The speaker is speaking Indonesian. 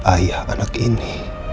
ayah anak ini